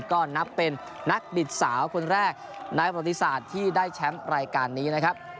ก็นับเป็นนักบิดสาวคนแรกนายบริษัทที่ได้แชมป์รายการนี้นะครับ